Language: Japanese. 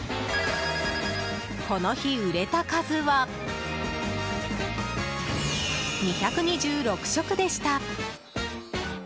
この日売れた数は２２６食でした。